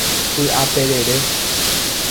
Py'aperere.